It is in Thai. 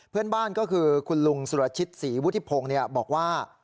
เพื่อนบ้านก็คือคุณลุงสุรชิตศรีวุฒิพงศ์บอกว่า